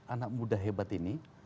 anak muda hebat ini